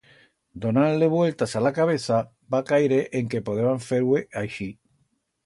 Donand-le vueltas a la cabeza, va caire en que podeba fer-hue aixit.